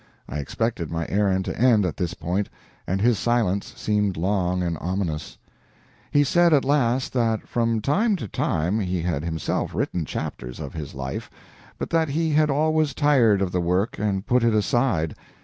I expected my errand to end at this point, and his silence seemed long and ominous. He said at last that from time to time he had himself written chapters of his life, but that he had always tired of the work and put it aside.